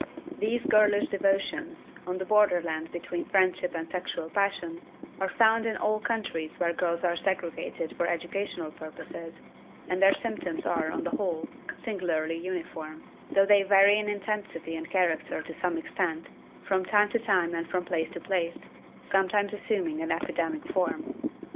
These girlish devotions, on the borderland between friendship and sexual passion, are found in all countries where girls are segregated for educational purposes, and their symptoms are, on the whole, singularly uniform, though they vary in intensity and character to some extent, from time to time and from place to place, sometimes assuming an epidemic form.